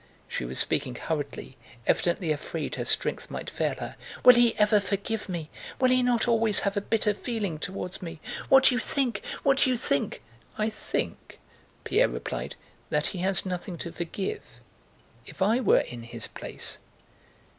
—she was speaking hurriedly, evidently afraid her strength might fail her—"Will he ever forgive me? Will he not always have a bitter feeling toward me? What do you think? What do you think?" "I think..." Pierre replied, "that he has nothing to forgive.... If I were in his place..."